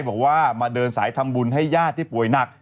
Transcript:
บอกว่ามาเดินสายทำบุญให้ญาติที่ป่วยหนัก